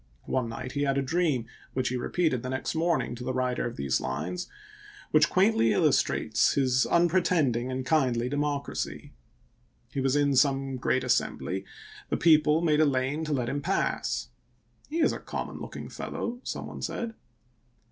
One night he had a dream, which he repeated the next morning to the writer of these lines, which quaintly illustrates his unpretending and kindly democracy. He was in some great assembly ; the people made a lane to let him pass. " He is a com mon looking fellow," some one said.